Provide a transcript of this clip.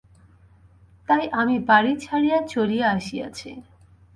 তাই আমি বাড়ি ছাড়িয়া চলিয়া আসিয়াছি।